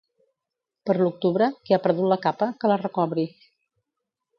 Per l'octubre, qui ha perdut la capa, que la recobri.